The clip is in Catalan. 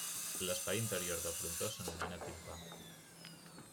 L'espai interior del frontó s'anomena timpà.